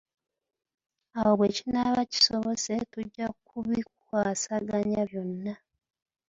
Awo bwe kinaaba kisobose tujja kubikwasaganya byonna.